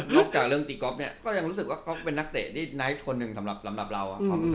จากเรื่องตีก๊อฟเนี่ยก็ยังรู้สึกว่าเขาเป็นนักเตะที่ไนท์คนหนึ่งสำหรับเรา